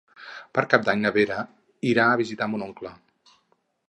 Per Cap d'Any na Vera irà a visitar mon oncle.